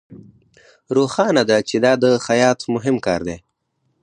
روښانه ده چې دا د خیاط مهم کار دی